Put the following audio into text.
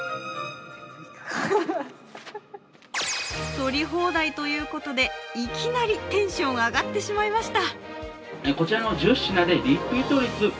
取り放題ということでいきなりテンション上がってしまいました。